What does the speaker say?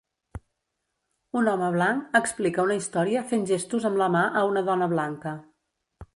Un home blanc explica una història fent gestos amb la mà a una dona blanca.